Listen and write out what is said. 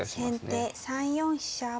先手３四飛車。